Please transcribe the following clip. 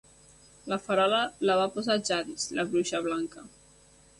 La farola la va posar Jadis, la bruixa blanca.